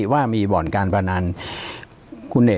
ปากกับภาคภูมิ